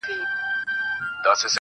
اوس مي د هغي دنيا ميـر ويـــده دی,